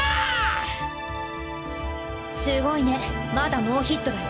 すごいねまだノーヒットだよ。